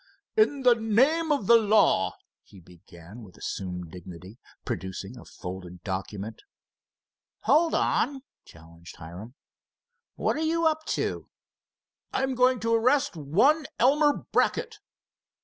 "In the name of the law," he began with assumed dignity, producing a folded document. "Hold on," challenged Hiram, "what are you up to?" "I'm going to arrest one Elmer Brackett."